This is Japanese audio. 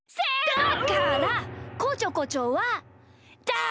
だからこちょこちょはだめ！